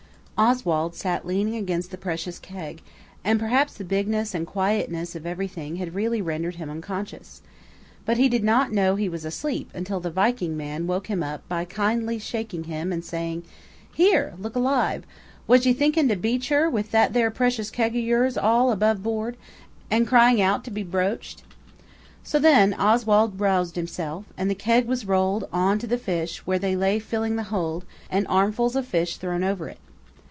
Oswald sat leaning against the precious keg, and perhaps the bigness and quietness of everything had really rendered him unconscious. But he did not know he was asleep until the Viking man woke him up by kindly shaking him and saying– "Here, look alive! Was ye thinking to beach her with that there precious keg of yours all above board, and crying out to be broached?" So then Oswald roused himself, and the keg was rolled on to the fish where they lay filling the hold, and armfuls of fish thrown over it.